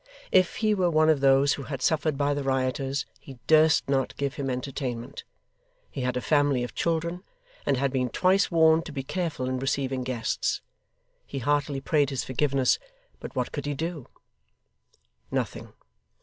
If he were one of those who had suffered by the rioters, he durst not give him entertainment. He had a family of children, and had been twice warned to be careful in receiving guests. He heartily prayed his forgiveness, but what could he do? Nothing.